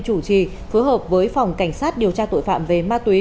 chủ trì phối hợp với phòng cảnh sát điều tra tội phạm về ma túy